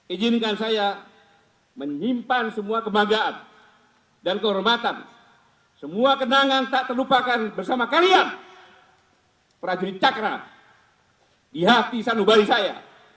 ijinkan saya menyimpan semua kebanggaan dan kehormatan semua kenangan tak terlupakan bersama kalian prajurit cakra di hati sanubari saya